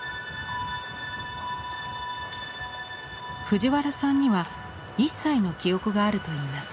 藤原さんには１歳の記憶があるといいます。